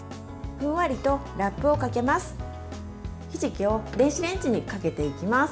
ふんわりとラップをかけます。